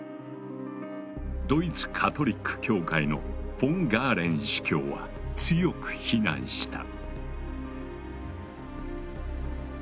ドイツ・カトリック教会のフォン・ガーレン司教は強く非難した。